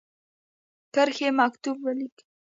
کرښې مکتوب ولیکی.